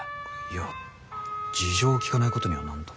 いや事情を聞かないことには何とも。